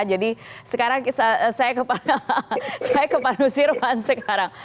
jadi sekarang saya ke pak nusirwan sekarang